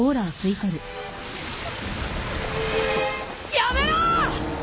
やめろ！